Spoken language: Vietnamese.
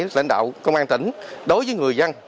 lãnh đạo công an tỉnh đối với người dân